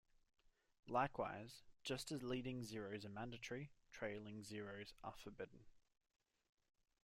Likewise, just as leading zeros are mandatory, trailing zeros are forbidden.